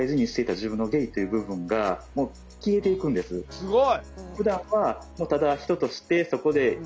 すごい。